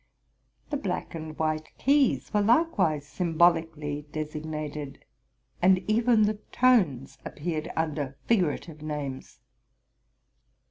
The black and white keys were likewise symbolically designated, and even the tones appeared under figurative names.